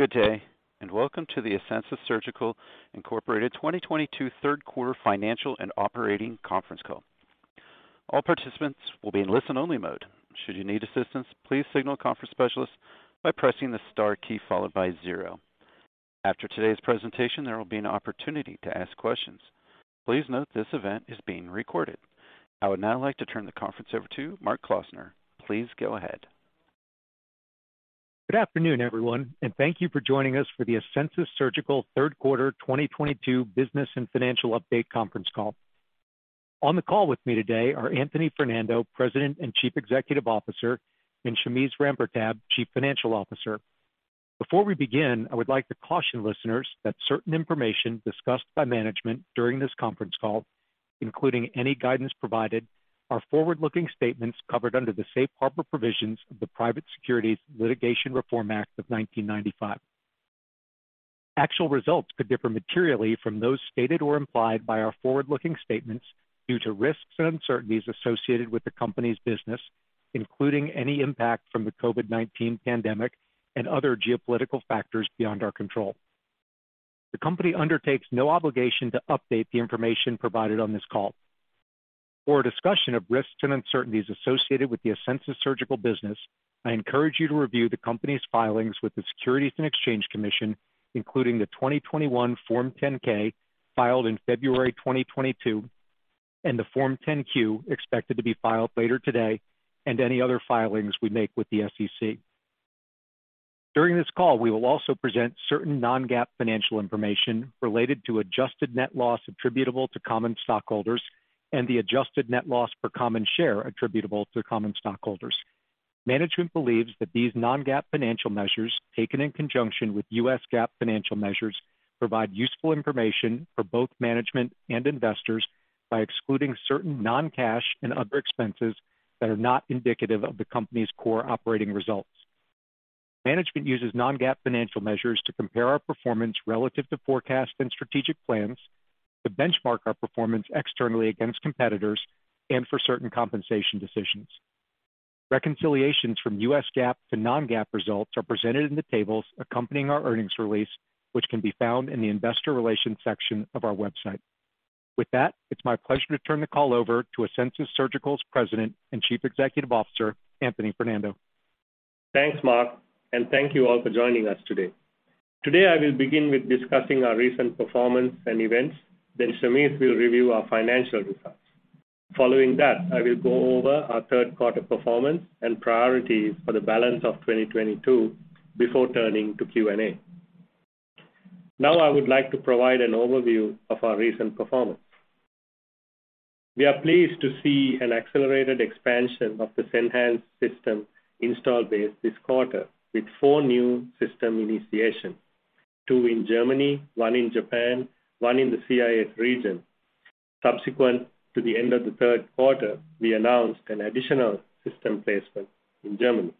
Good day, and welcome to the Asensus Surgical Incorporated 2022 third quarter financial and operating conference call. All participants will be in listen-only mode. Should you need assistance, please signal a conference specialist by pressing the star key followed by zero. After today's presentation, there will be an opportunity to ask questions. Please note this event is being recorded. I would now like to turn the conference over to Mark Klausner. Please go ahead. Good afternoon, everyone, and thank you for joining us for the Asensus Surgical third quarter 2022 business and financial update conference call. On the call with me today are Anthony Fernando, President and Chief Executive Officer, and Shameze Rampertab, Chief Financial Officer. Before we begin, I would like to caution listeners that certain information discussed by management during this conference call, including any guidance provided, are forward-looking statements covered under the safe harbor provisions of the Private Securities Litigation Reform Act of 1995. Actual results could differ materially from those stated or implied by our forward-looking statements due to risks and uncertainties associated with the company's business, including any impact from the COVID-19 pandemic and other geopolitical factors beyond our control. The company undertakes no obligation to update the information provided on this call. For a discussion of risks and uncertainties associated with the Asensus Surgical business, I encourage you to review the company's filings with the Securities and Exchange Commission, including the 2021 Form 10-K filed in February 2022 and the Form 10-Q expected to be filed later today, and any other filings we make with the SEC. During this call, we will also present certain non-GAAP financial information related to adjusted net loss attributable to common stockholders and the adjusted net loss per common share attributable to common stockholders. Management believes that these non-GAAP financial measures, taken in conjunction with US GAAP financial measures, provide useful information for both management and investors by excluding certain non-cash and other expenses that are not indicative of the company's core operating results. Management uses non-GAAP financial measures to compare our performance relative to forecasts and strategic plans, to benchmark our performance externally against competitors, and for certain compensation decisions. Reconciliations from US GAAP to non-GAAP results are presented in the tables accompanying our earnings release, which can be found in the investor relations section of our website. With that, it's my pleasure to turn the call over to Asensus Surgical's President and Chief Executive Officer, Anthony Fernando. Thanks, Mark, and thank you all for joining us today. Today I will begin with discussing our recent performance and events. Shameze will review our financial results. Following that, I will go over our third quarter performance and priorities for the balance of 2022 before turning to Q&A. Now I would like to provide an overview of our recent performance. We are pleased to see an accelerated expansion of the Senhance system install base this quarter with four new system initiations, Two in Germany, One in Japan, One in the CIS region. Subsequent to the end of the third quarter, we announced an additional system placement in Germany,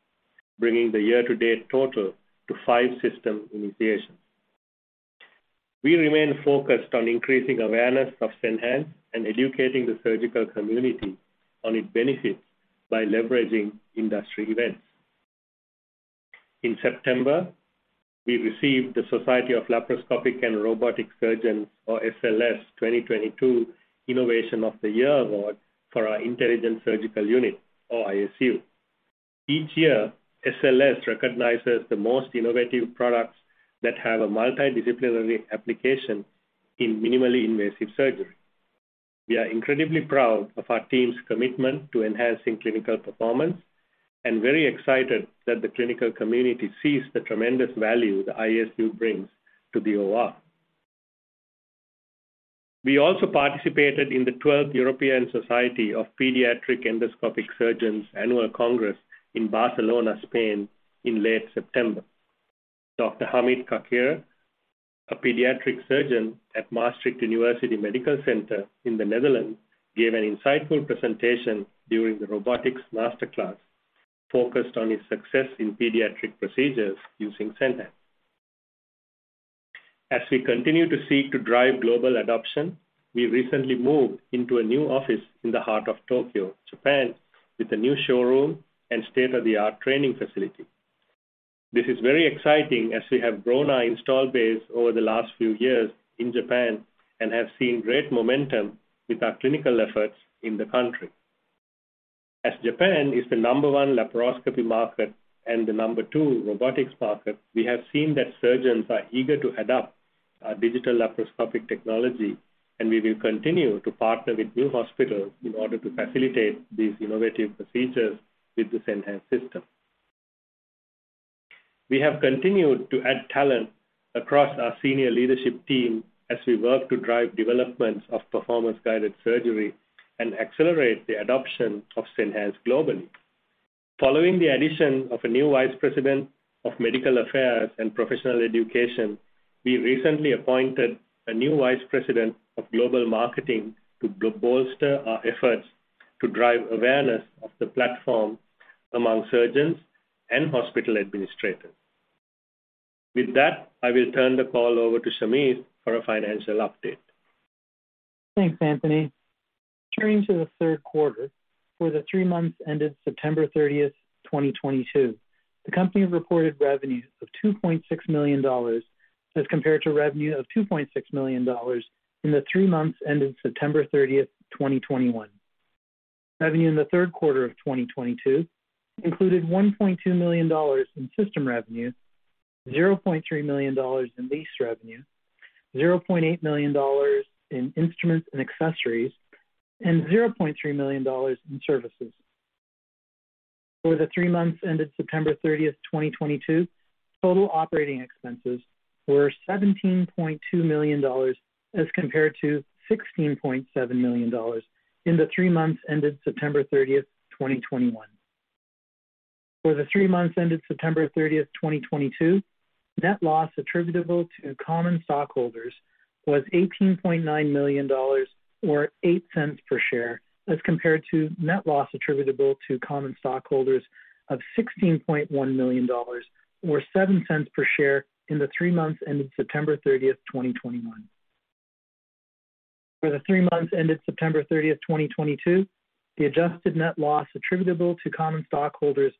bringing the year-to-date total to five system initiations. We remain focused on increasing awareness of Senhance and educating the surgical community on its benefits by leveraging industry events. In September, we received the Society of Laparoscopic & Robotic Surgeons, or SLS, 2022 Innovation of the Year award for our intelligent surgical unit, or ISU. Each year, SLS recognizes the most innovative products that have a multidisciplinary application in minimally invasive surgery. We are incredibly proud of our team's commitment to enhancing clinical performance and very excited that the clinical community sees the tremendous value the ISU brings to the OR. We also participated in the twelfth European Society of Paediatric Endoscopic Surgeons Annual Congress in Barcelona, Spain in late September. Dr. Hamid Kakhira, a pediatric surgeon at Maastricht University Medical Centre+ in the Netherlands, gave an insightful presentation during the robotics master class focused on his success in pediatric procedures using Senhance. As we continue to seek to drive global adoption, we recently moved into a new office in the heart of Tokyo, Japan, with a new showroom and state-of-the-art training facility. This is very exciting as we have grown our install base over the last few years in Japan and have seen great momentum with our clinical efforts in the country. As Japan is the number one laparoscopy market and the number two robotics market, we have seen that surgeons are eager to adopt our digital laparoscopic technology, and we will continue to partner with new hospitals in order to facilitate these innovative procedures with the Senhance system. We have continued to add talent across our senior leadership team as we work to drive development of Performance-Guided Surgery and accelerate the adoption of Senhance globally. Following the addition of a new vice president of medical affairs and professional education, we recently appointed a new vice president of global marketing to bolster our efforts to drive awareness of the platform among surgeons and hospital administrators. With that, I will turn the call over to Shameze for a financial update. Thanks, Anthony. Turning to the third quarter for the three months ended September 30th, 2022. The company reported revenue of $2.6 million as compared to revenue of $2.6 million in the three months ended September 30th, 2021. Revenue in the third quarter of 2022 included $1.2 million in system revenue, $0.3 million in lease revenue, $0.8 million in instruments and accessories, and $0.3 million in services. For the three months ended September 30th, 2022, total operating expenses were $17.2 million as compared to $16.7 million in the three months ended September 30th, 2021. For the three months ended September 30th, 2022, net loss attributable to common stockholders was $18.9 million or $0.08 per share, as compared to net loss attributable to common stockholders of $16.1 million or $0.07 per share in the three months ended September 30th, 2021. For the three months ended September 30th, 2022, the adjusted net loss attributable to common stockholders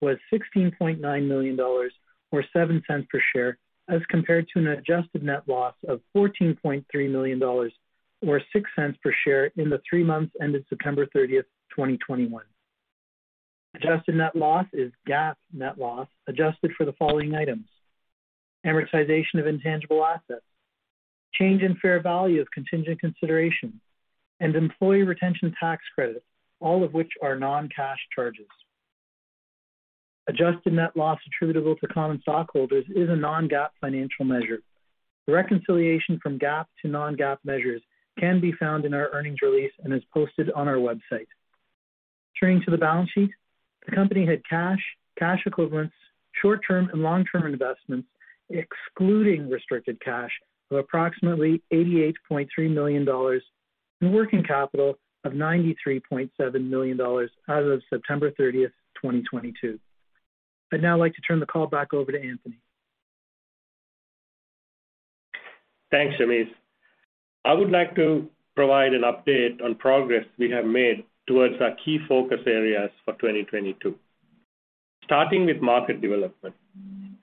was $16.9 million or $0.07 per share, as compared to an adjusted net loss of $14.3 million or $0.06 per share in the three months ended September 30th, 2021. Adjusted net loss is GAAP net loss adjusted for the following items. Amortization of intangible assets, change in fair value of contingent consideration, and employee retention tax credit, all of which are non-cash charges. Adjusted net loss attributable to common stockholders is a non-GAAP financial measure. The reconciliation from GAAP to non-GAAP measures can be found in our earnings release and is posted on our website. Turning to the balance sheet, the company had cash equivalents, short-term and long-term investments excluding restricted cash of approximately $88.3 million, and working capital of $93.7 million as of September 30th, 2022. I'd now like to turn the call back over to Anthony. Thanks, Shameze. I would like to provide an update on progress we have made towards our key focus areas for 2022. Starting with market development.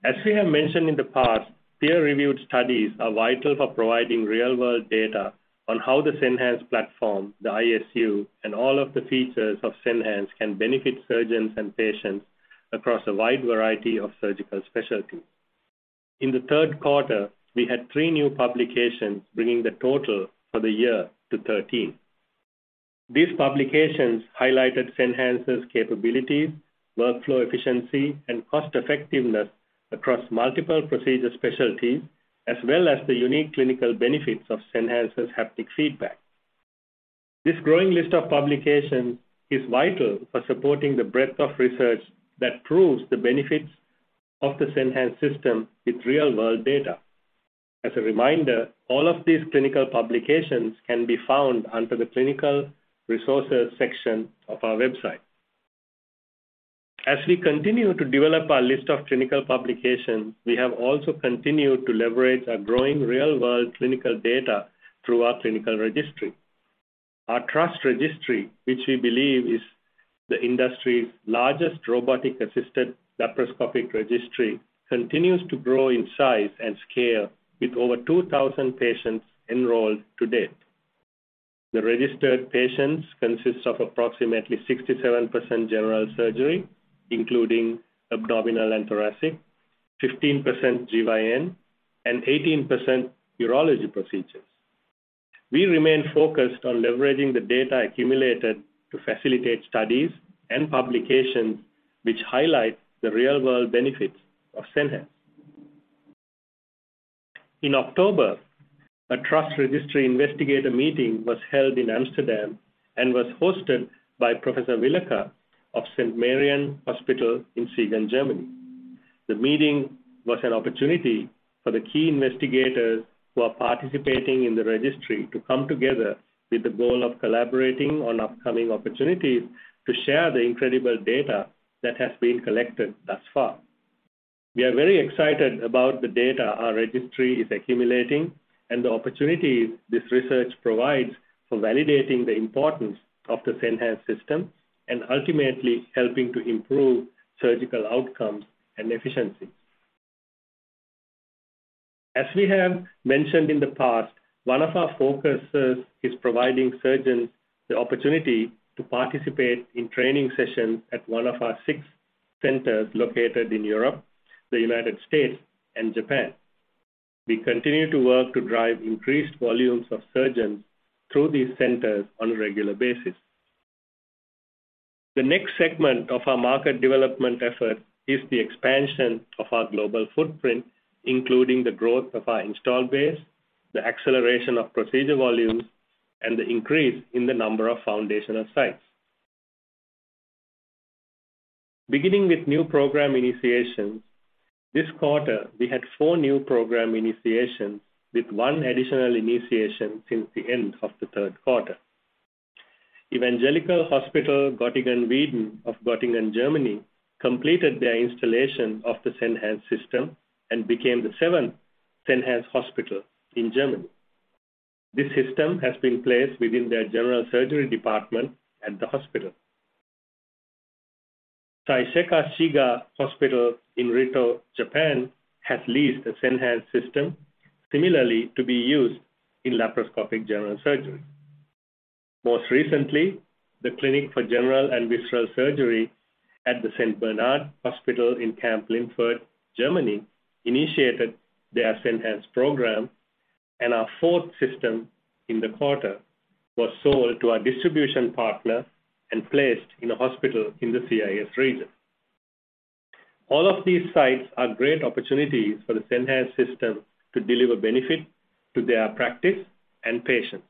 As we have mentioned in the past, peer-reviewed studies are vital for providing real-world data on how the Senhance platform, the ISU, and all of the features of Senhance can benefit surgeons and patients across a wide variety of surgical specialties. In the third quarter, we had three new publications, bringing the total for the year to 13. These publications highlighted Senhance's capabilities, workflow efficiency, and cost-effectiveness across multiple procedure specialties, as well as the unique clinical benefits of Senhance's haptic feedback. This growing list of publications is vital for supporting the breadth of research that proves the benefits of the Senhance system with real-world data. As a reminder, all of these clinical publications can be found under the Clinical Resources section of our website. As we continue to develop our list of clinical publications, we have also continued to leverage our growing real-world clinical data through our clinical registry. Our TRUST registry, which we believe is the industry's largest robotic-assisted laparoscopic registry, continues to grow in size and scale with over 2,000 patients enrolled to date. The registered patients consists of approximately 67% general surgery, including abdominal and thoracic, 15% GYN, and 18% urology procedures. We remain focused on leveraging the data accumulated to facilitate studies and publications which highlight the real-world benefits of Senhance. In October, a TRUST Registry Investigator meeting was held in Amsterdam and was hosted by Professor Willekes of St. Marien Hospital in Siegen, Germany. The meeting was an opportunity for the key investigators who are participating in the registry to come together with the goal of collaborating on upcoming opportunities to share the incredible data that has been collected thus far. We are very excited about the data our registry is accumulating and the opportunities this research provides for validating the importance of the Senhance system and ultimately helping to improve surgical outcomes and efficiency. As we have mentioned in the past, one of our focuses is providing surgeons the opportunity to participate in training sessions at one of our six centers located in Europe, the United States, and Japan. We continue to work to drive increased volumes of surgeons through these centers on a regular basis. The next segment of our market development effort is the expansion of our global footprint, including the growth of our installed base, the acceleration of procedure volumes, and the increase in the number of foundational sites. Beginning with new program initiation, this quarter we had four new program initiations, with one additional initiation since the end of the third quarter. Evangelical Hospital Göttingen-Weende of Göttingen, Germany completed their installation of the Senhance system and became the seventh Senhance hospital in Germany. This system has been placed within their general surgery department at the hospital. Saiseikai Shiga Hospital in Ritto, Japan has leased a Senhance system similarly to be used in laparoscopic general surgery. Most recently, the Clinic for General and Visceral Surgery at the St. Bernhard Hospital in Kamp-Lintfort, Germany initiated their Senhance program, and our fourth system in the quarter was sold to our distribution partner and placed in a hospital in the CIS region. All of these sites are great opportunities for the Senhance system to deliver benefit to their practice and patients.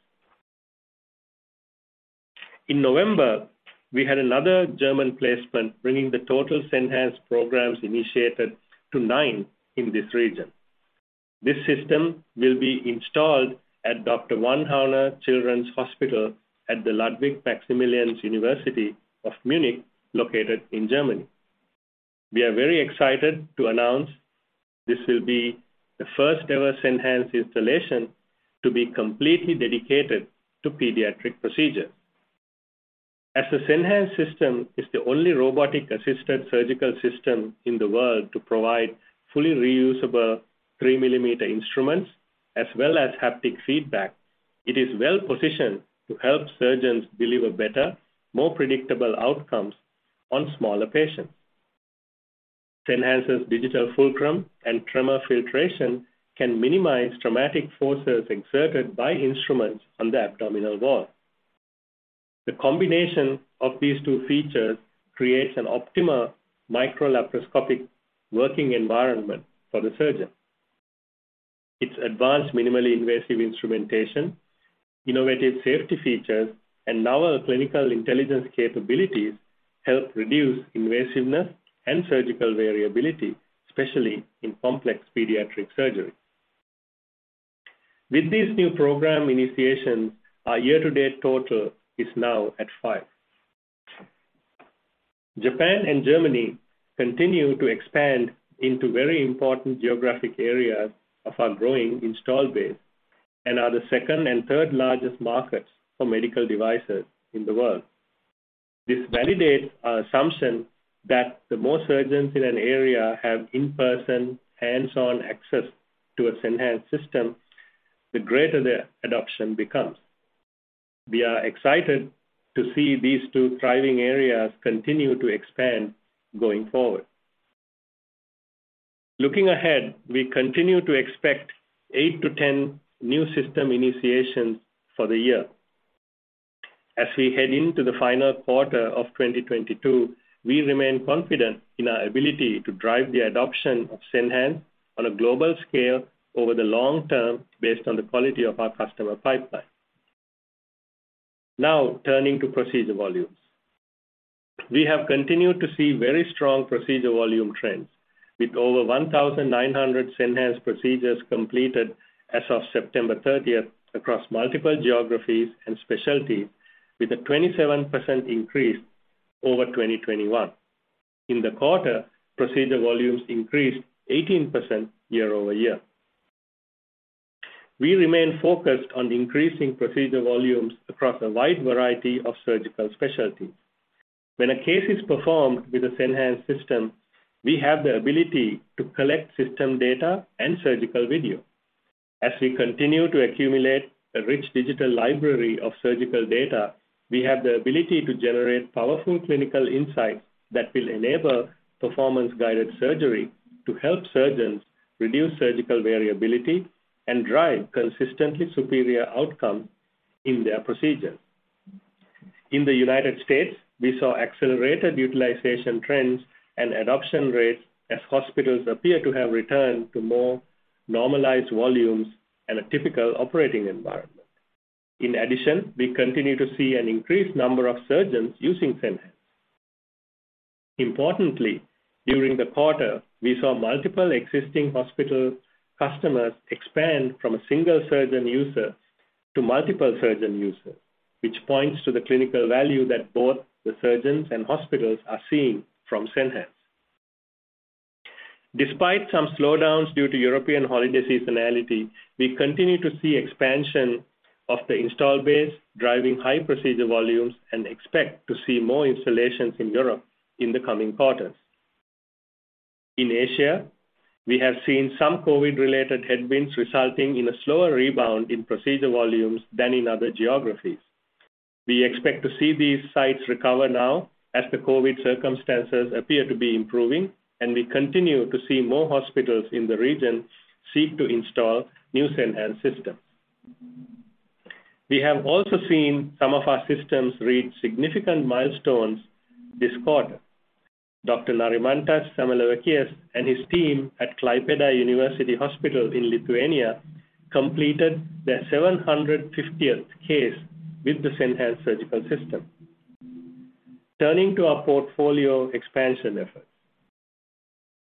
In November, we had another German placement, bringing the total Senhance programs initiated to nine in this region. This system will be installed at Dr. von Hauner Children's Hospital at the Ludwig Maximilian University of Munich, located in Germany. We are very excited to announce this will be the first-ever Senhance installation to be completely dedicated to pediatric procedures. As the Senhance system is the only robotic-assisted surgical system in the world to provide fully reusable three-millimeter instruments as well as haptic feedback, it is well-positioned to help surgeons deliver better, more predictable outcomes on smaller patients. Senhance's digital fulcrum and tremor filtration can minimize traumatic forces exerted by instruments on the abdominal wall. The combination of these two features creates an optimal micro-laparoscopic working environment for the surgeon. Its advanced minimally invasive instrumentation, innovative safety features, and novel clinical intelligence capabilities help reduce invasiveness and surgical variability, especially in complex pediatric surgery. With this new program initiation, our year-to-date total is now at five. Japan and Germany continue to expand into very important geographic areas of our growing installed base and are the second and third largest markets for medical devices in the world. This validates our assumption that the more surgeons in an area have in-person, hands-on access to a Senhance system, the greater their adoption becomes. We are excited to see these two thriving areas continue to expand going forward. Looking ahead, we continue to expect eight to 10 new system initiations for the year. As we head into the final quarter of 2022, we remain confident in our ability to drive the adoption of Senhance on a global scale over the long term based on the quality of our customer pipeline. Now, turning to procedure volumes. We have continued to see very strong procedure volume trends, with over 1,900 Senhance procedures completed as of September 30th across multiple geographies and specialties, with a 27% increase over 2021. In the quarter, procedure volumes increased 18% year over year. We remain focused on increasing procedure volumes across a wide variety of surgical specialties. When a case is performed with a Senhance system, we have the ability to collect system data and surgical video. As we continue to accumulate a rich digital library of surgical data, we have the ability to generate powerful clinical insights that will enable Performance-Guided Surgery to help surgeons reduce surgical variability and drive consistently superior outcome in their procedure. In the United States, we saw accelerated utilization trends and adoption rates as hospitals appear to have returned to more normalized volumes and a typical operating environment. In addition, we continue to see an increased number of surgeons using Senhance. Importantly, during the quarter, we saw multiple existing hospital customers expand from a single surgeon user to multiple surgeon users, which points to the clinical value that both the surgeons and hospitals are seeing from Senhance. Despite some slowdowns due to European holiday seasonality, we continue to see expansion of the install base, driving high procedure volumes, and expect to see more installations in Europe in the coming quarters. In Asia, we have seen some COVID-related headwinds resulting in a slower rebound in procedure volumes than in other geographies. We expect to see these sites recover now as the COVID circumstances appear to be improving, and we continue to see more hospitals in the region seek to install new Senhance systems. We have also seen some of our systems reach significant milestones this quarter. Dr. Narimantas Samalavičius and his team at Klaipėda University Hospital in Lithuania completed their 750th case with the Senhance surgical system. Turning to our portfolio expansion efforts.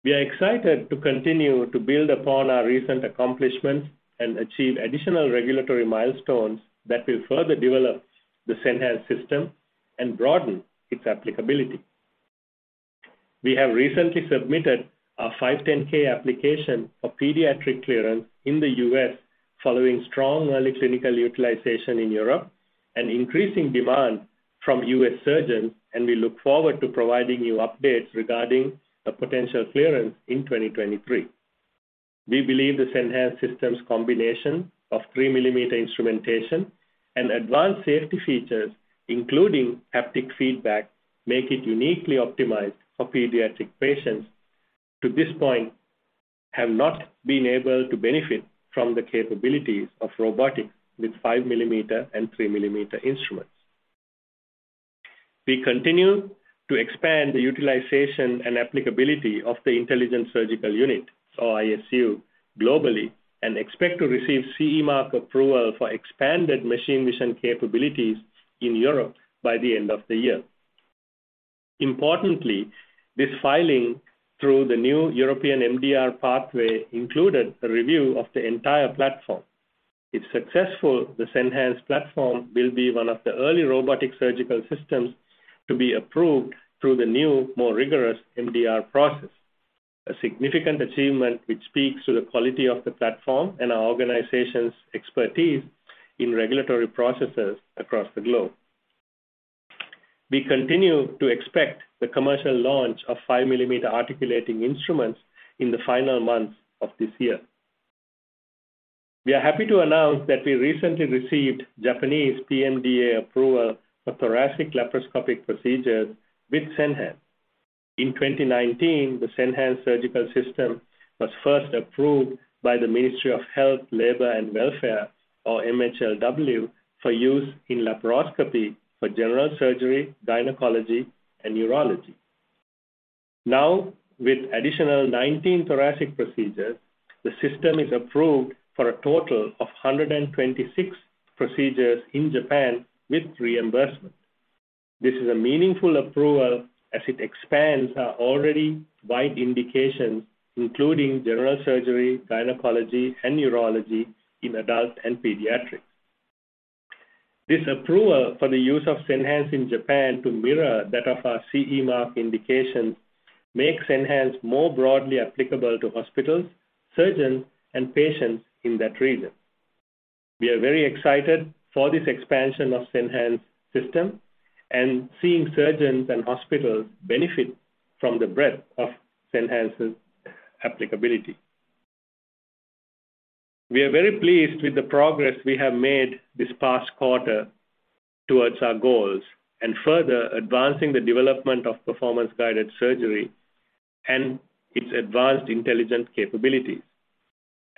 We are excited to continue to build upon our recent accomplishments and achieve additional regulatory milestones that will further develop the Senhance system and broaden its applicability. We have recently submitted our 510(k) application for pediatric clearance in the U.S. following strong early clinical utilization in Europe and increasing demand from U.S. surgeons, and we look forward to providing you updates regarding a potential clearance in 2023. We believe the Senhance system's combination of 3mm instrumentation and advanced safety features, including haptic feedback, make it uniquely optimized for pediatric patients who to this point have not been able to benefit from the capabilities of robotics with 5mm and 3mm instruments. We continue to expand the utilization and applicability of the intelligent surgical unit, or ISU, globally and expect to receive CE mark approval for expanded machine vision capabilities in Europe by the end of the year. Importantly, this filing through the new European MDR pathway included a review of the entire platform. If successful, the Senhance platform will be one of the early robotic surgical systems to be approved through the new, more rigorous MDR process, a significant achievement which speaks to the quality of the platform and our organization's expertise in regulatory processes across the globe. We continue to expect the commercial launch of 5mm articulating instruments in the final months of this year. We are happy to announce that we recently received Japanese PMDA approval for thoracic laparoscopic procedures with Senhance. In 2019, the Senhance surgical system was first approved by the Ministry of Health, Labour and Welfare, or MHLW, for use in laparoscopy for general surgery, gynecology, and urology. Now, with additional 19 thoracic procedures, the system is approved for a total of 126 procedures in Japan with reimbursement. This is a meaningful approval as it expands our already wide indications, including general surgery, gynecology, and urology in adult and pediatrics. This approval for the use of Senhance in Japan to mirror that of our CE Mark indication makes Senhance more broadly applicable to hospitals, surgeons, and patients in that region. We are very excited for this expansion of Senhance system and seeing surgeons and hospitals benefit from the breadth of Senhance's applicability. We are very pleased with the progress we have made this past quarter towards our goals and further advancing the development of Performance-Guided Surgery and its advanced intelligent capabilities.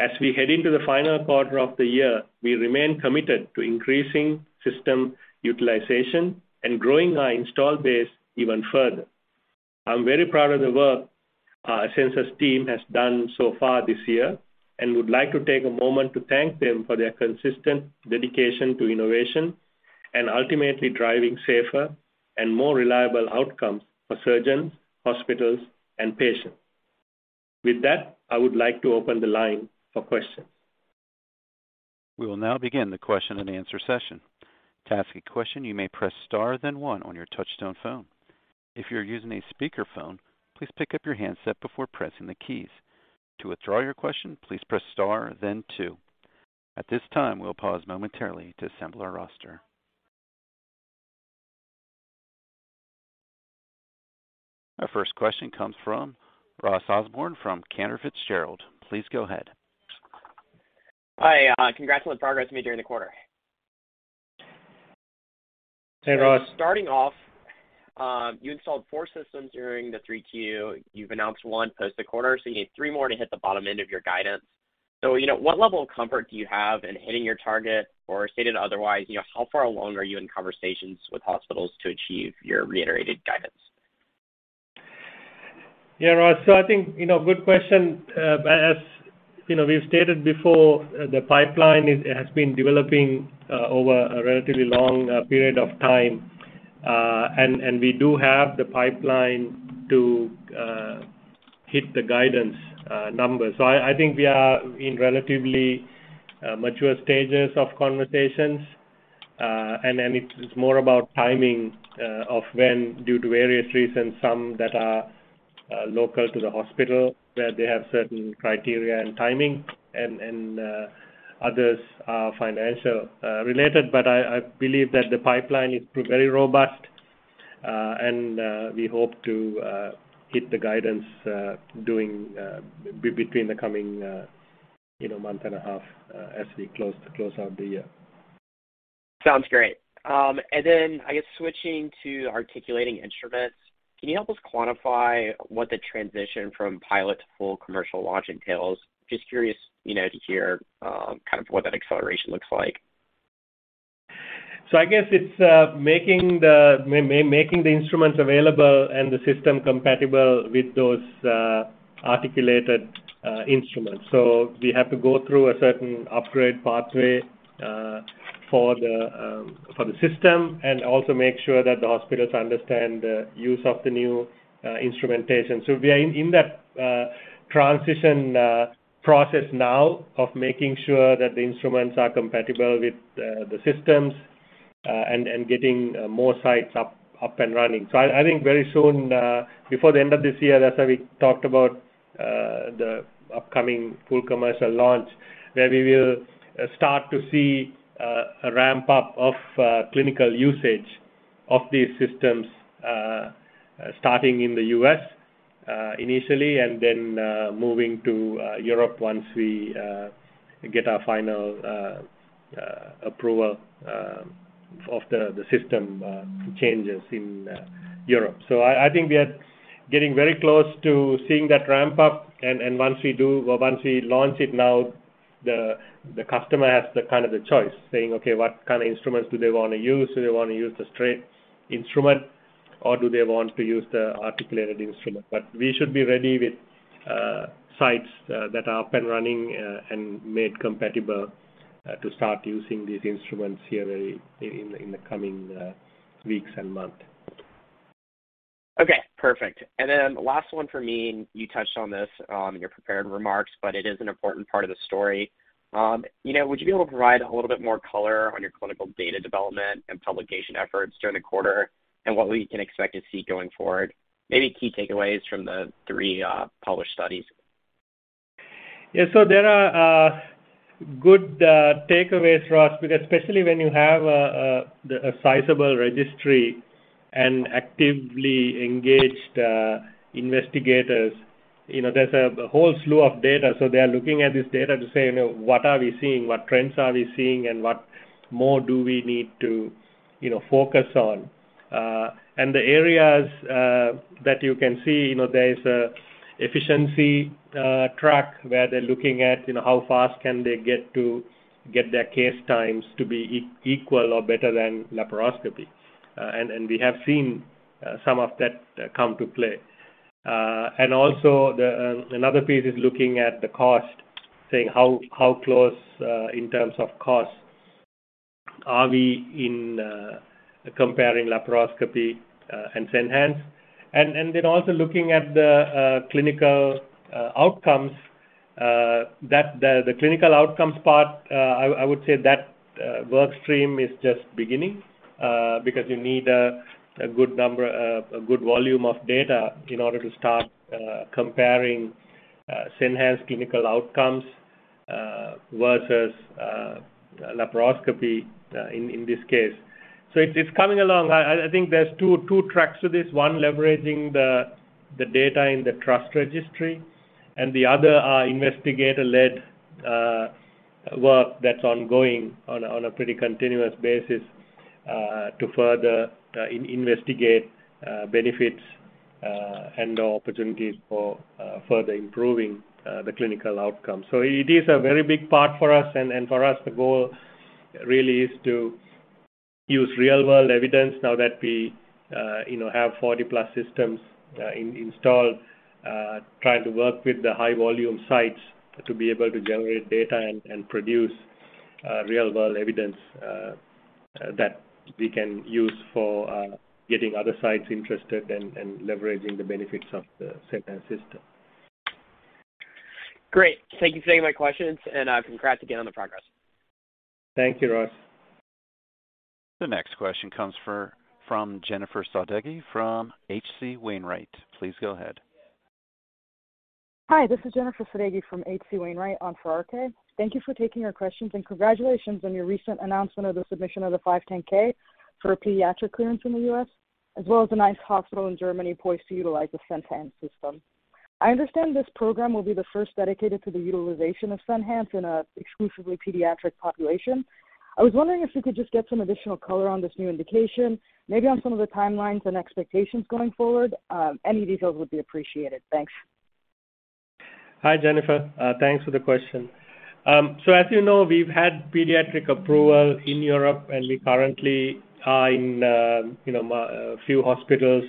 As we head into the final quarter of the year, we remain committed to increasing system utilization and growing our install base even further. I'm very proud of the work our Asensus team has done so far this year and would like to take a moment to thank them for their consistent dedication to innovation and ultimately driving safer and more reliable outcomes for surgeons, hospitals, and patients. With that, I would like to open the line for questions. We will now begin the question and answer session. To ask a question, you may press star then one on your touchtone phone. If you're using a speakerphone, please pick up your handset before pressing the keys. To withdraw your question, please press star then two. At this time, we'll pause momentarily to assemble our roster. Our first question comes from Ross Osborn from Cantor Fitzgerald. Please go ahead. Hi, congrats on the progress made during the quarter. Hey, Ross. Starting off, you installed four systems during the 3Q. You've announced one post the quarter, so you need three more to hit the bottom end of your guidance. You know, what level of comfort do you have in hitting your target or stated otherwise, you know, how far along are you in conversations with hospitals to achieve your reiterated guidance? Yeah, Ross. I think, you know, good question. As you know, we've stated before the pipeline has been developing over a relatively long period of time, and we do have the pipeline to hit the guidance numbers. I think we are in relatively mature stages of conversations, and then it's more about timing of when, due to various reasons, some that are local to the hospital, where they have certain criteria and timing, and others are financial related. I believe that the pipeline is very robust, and we hope to hit the guidance during the coming, you know, month and a half, as we close out the year. Sounds great. I guess switching to articulating instruments, can you help us quantify what the transition from pilot to full commercial launch entails? Just curious, you know, to hear, kind of what that acceleration looks like. I guess it's making the instruments available and the system compatible with those articulated instruments. We have to go through a certain upgrade pathway for the system and also make sure that the hospitals understand the use of the new instrumentation. We are in that transition process now of making sure that the instruments are compatible with the systems and getting more sites up and running. I think very soon, before the end of this year, as we talked about, the upcoming full commercial launch, where we will start to see a ramp-up of clinical usage of these systems, starting in the U.S., initially and then moving to Europe once we get our final approval of the system changes in Europe. I think we are getting very close to seeing that ramp up. Once we do or once we launch it now, the customer has the kind of choice, saying, okay, what kind of instruments do they wanna use? Do they want to use a straight instrument, or do they want to use the articulated instrument? We should be ready with sites that are up and running and made compatible to start using these instruments here in the coming weeks and months. Okay, perfect. Last one for me. You touched on this in your prepared remarks, but it is an important part of the story. You know, would you be able to provide a little bit more color on your clinical data development and publication efforts during the quarter and what we can expect to see going forward? Maybe key takeaways from the three published studies. Yes. There are good takeaways for us because especially when you have a sizable registry and actively engaged investigators, you know, there's a whole slew of data. They are looking at this data to say, you know, what are we seeing, what trends are we seeing and what more do we need to, you know, focus on? The areas that you can see, you know, there is a efficiency track where they're looking at, you know, how fast can they get their case times to be equal or better than laparoscopy. We have seen some of that come to play. Another piece is looking at the cost, saying how close in terms of cost are we in comparing laparoscopy and Senhance? Looking at the clinical outcomes. The clinical outcomes part, I would say that work stream is just beginning because you need a good number, a good volume of data in order to start comparing Senhance clinical outcomes versus laparoscopy in this case. It's coming along. I think there's two tracks to this. One, leveraging the data in the TRUST registry, and the other are investigator-led work that's ongoing on a pretty continuous basis to further investigate benefits and opportunities for further improving the clinical outcome. It is a very big part for us. For us, the goal really is to use real-world evidence now that we, you know, have 40+ systems installed, trying to work with the high volume sites to be able to generate data and produce real-world evidence that we can use for getting other sites interested and leveraging the benefits of the Senhance system. Great. Thank you for taking my questions, and congrats again on the progress. Thank you, Ross. The next question comes from Jennifer Sadeghi from H.C. Wainwright. Please go ahead. Hi, this is Jennifer Sadeghi from H.C. Wainwright on for RK. Thank you for taking our questions, and congratulations on your recent announcement of the submission of the 510(k) for pediatric clearance in the U.S., as well as a nice hospital in Germany poised to utilize the Senhance system. I understand this program will be the first dedicated to the utilization of Senhance in an exclusively pediatric population. I was wondering if we could just get some additional color on this new indication, maybe on some of the timelines and expectations going forward. Any details would be appreciated. Thanks. Hi, Jennifer. Thanks for the question. As you know, we've had pediatric approval in Europe, and we currently are in you know, a few hospitals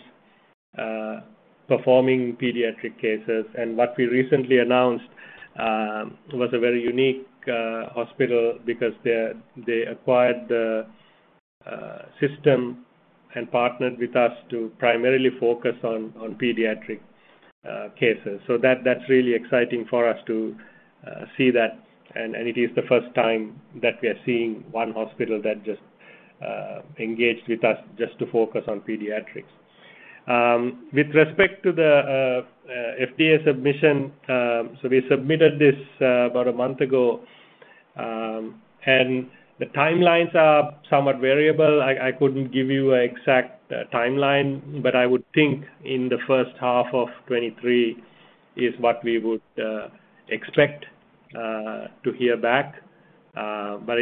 performing pediatric cases. What we recently announced was a very unique hospital because they acquired the system and partnered with us to primarily focus on pediatric cases. That's really exciting for us to see that. It is the first time that we are seeing one hospital that just engaged with us just to focus on pediatrics. With respect to the FDA submission, we submitted this about a month ago. The timelines are somewhat variable. I couldn't give you an exact timeline, but I would think in the first half of 2023 is what we would expect to hear back.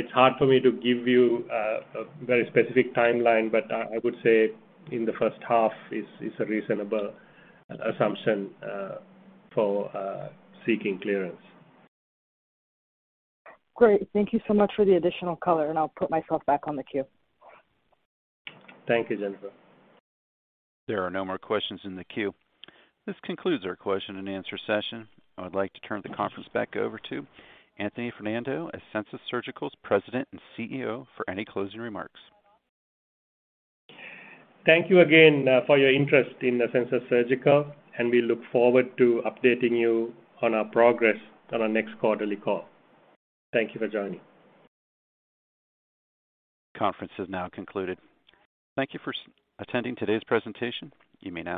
It's hard for me to give you a very specific timeline, but I would say in the first half is a reasonable assumption for seeking clearance. Great. Thank you so much for the additional color, and I'll put myself back on the queue. Thank you, Jennifer. There are no more questions in the queue. This concludes our question and answer session. I would like to turn the conference back over to Anthony Fernando as Asensus Surgical's president and CEO for any closing remarks. Thank you again for your interest in Asensus Surgical, and we look forward to updating you on our progress on our next quarterly call. Thank you for joining. Conference is now concluded. Thank you for attending today's presentation. You may now disconnect.